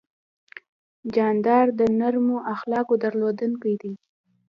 جانداد د نرمو اخلاقو درلودونکی دی.